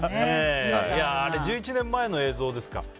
あれ、１１年前の映像ですか。